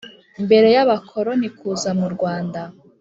mbere y’abakoroni kuza m’urwanda